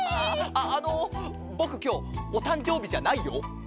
ああのぼくきょうおたんじょうびじゃないよ。